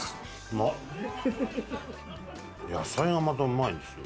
野菜がまたうまいんですよ。